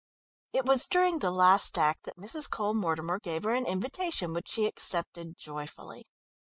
It was during the last act that Mrs. Cole Mortimer gave her an invitation which she accepted joyfully.